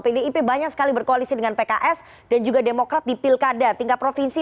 pdip banyak sekali berkoalisi dengan pks dan juga demokrat di pilkada tingkat provinsi